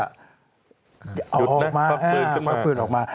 ดูดนะครับพาปืนออกมา